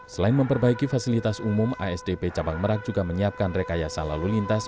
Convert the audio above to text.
selain memperbaiki fasilitas umum asdp cabang merak juga menyiapkan rekayasa lalu lintas